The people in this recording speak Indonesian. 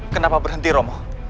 kenapa berhenti romo